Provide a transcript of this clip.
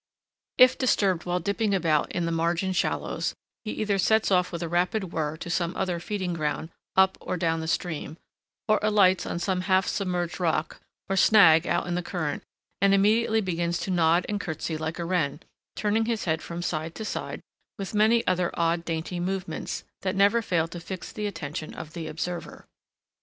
[Illustration: WATER OUZEL DIVING AND FEEDING.] If disturbed while dipping about in the margin shallows, he either sets off with a rapid whir to some other feeding ground up or down the stream, or alights on some half submerged rock or snag out in the current, and immediately begins to nod and courtesy like a wren, turning his head from side to side with many other odd dainty movements that never fail to fix the attention of the observer.